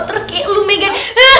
terus kayak lo megan